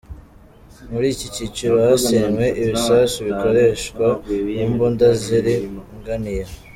Muri iki kiciro hasenywe ibisasu bikoreshwa mu mbunda ziringaniye.